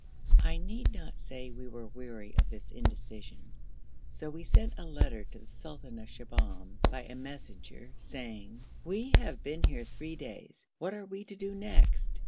I need not say we were weary of this indecision, so we sent a letter to the sultan of Shibahm by a messenger saying, 'We have been here three days; what are we to do next?'